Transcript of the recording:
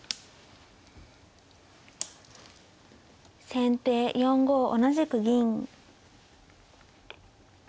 先手４五同じく銀。